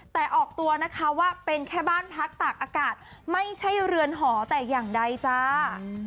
แต่ออกตัวนะคะว่าเป็นแค่บ้านพักตากอากาศไม่ใช่เรือนหอแต่อย่างใดจ้า